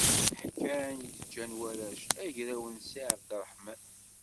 Ḥkan i d-ǧǧan warrac, agraw n Si Ɛebdrreḥman.